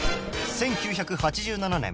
１９８７年